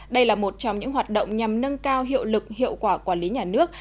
đây là một trong những hoạt động nhằm nâng cao hiệu lực hiệu quả quản lý nhà nước